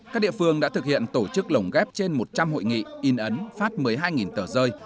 các địa phương đã thực hiện tổ chức lồng ghép trên một trăm linh hội nghị in ấn phát một mươi hai tờ rơi